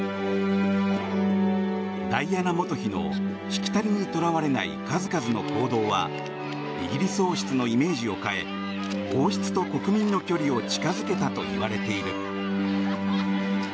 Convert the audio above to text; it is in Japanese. ダイアナ元妃のしきたりにとらわれない数々の行動はイギリス王室のイメージを変え王室と国民の距離を近づけたといわれている。